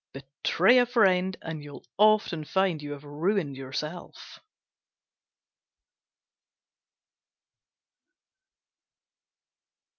Betray a friend, and you'll often find you have ruined yourself.